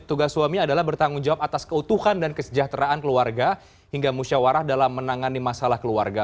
tugas suami adalah bertanggung jawab atas keutuhan dan kesejahteraan keluarga hingga musyawarah dalam menangani masalah keluarga